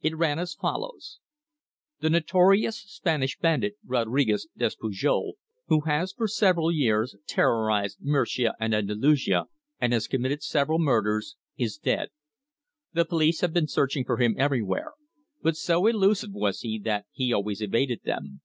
It ran as follows: "The notorious Spanish bandit Rodriquez Despujol, who has for several years terrorized Murcia and Andalusia and has committed several murders, is dead. The police have been searching for him everywhere, but so elusive was he that he always evaded them.